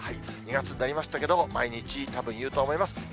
２月になりましたけれども、毎日たぶん言うと思います。